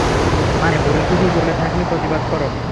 মানে, ভুল কিছু বলে থাকলে প্রতিবাদ করো।